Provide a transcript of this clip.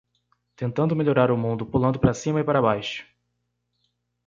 Tentando melhorar o mundo pulando para cima e para baixo.